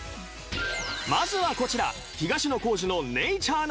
まずはこちら。